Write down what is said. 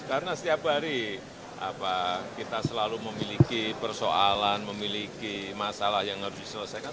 karena setiap hari kita selalu memiliki persoalan memiliki masalah yang harus diselesaikan